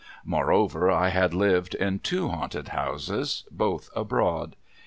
Moreover, 1 had lived in two haunted houses— both abroad.